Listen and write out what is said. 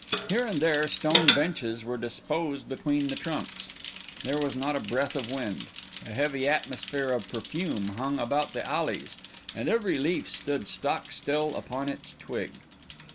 Here and there stone benches were disposed between the trunks. There was not a breath of wind; a heavy atmosphere of perfume hung about the alleys; and every leaf stood stock still upon its twig.